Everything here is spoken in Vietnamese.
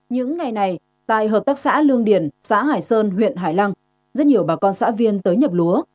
những ngày này tại hợp tác xã lương điền xã hải sơn huyện hải lăng rất nhiều bà con xã viên tới nhập lúa